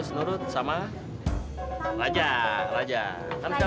semua pusing banget